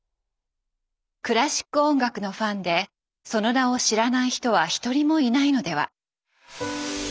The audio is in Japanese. クラシック音楽のファンでその名を知らない人は一人もいないのでは。